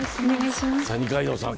二階堂さん